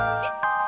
kau akan jadioooooo